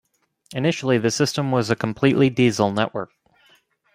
Initially, the system was a completely diesel network.